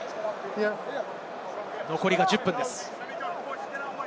残り１０分です。